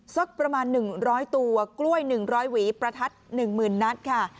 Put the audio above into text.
สักประมาณ๑๐๐ตัวกล้วย๑๐๐หวีประทัด๑๐๐๐นัดค่ะ